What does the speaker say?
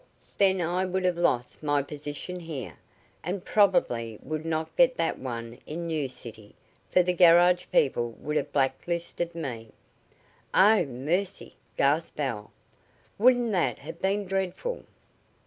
Then I would have lost my position here, and probably would not get that new one in New City, for the garage people would have blacklisted me." "Oh, mercy!" gasped Belle. "Wouldn't that have been dreadful!"